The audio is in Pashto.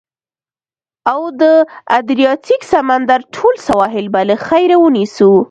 او د ادریاتیک سمندر ټول سواحل به له خیره، ونیسو.